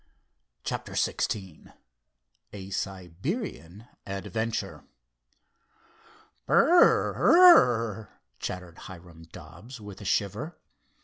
CHAPTER XVI A SIBERIAN ADVENTURE "Brrr rr!" chattered Hiram Dobbs, with a shiver.